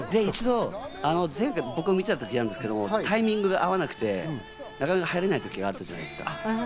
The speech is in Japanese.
前回、僕も一度見てたんですけどタイミングが合わなくて、なかなか入れない時があるじゃないですか。